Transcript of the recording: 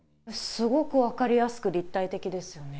すごく分かりやすく立体的ですよね。